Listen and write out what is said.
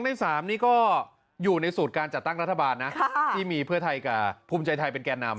ใน๓นี่ก็อยู่ในสูตรการจัดตั้งรัฐบาลนะที่มีเพื่อไทยกับภูมิใจไทยเป็นแก่นำ